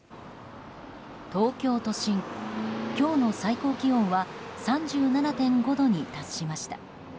東京都心、今日の最高気温は３７．５度に達しました。